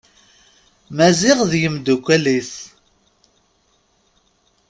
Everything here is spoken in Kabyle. Maziɣ d yimddukal-is.